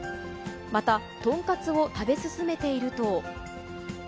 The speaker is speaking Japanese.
また、豚カツを食べ進めていると。